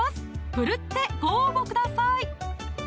奮ってご応募ください